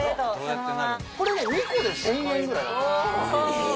これ２個で１０００円ぐらい。